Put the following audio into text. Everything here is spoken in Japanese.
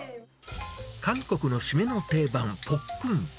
韓国の締めの定番、ポックンパ。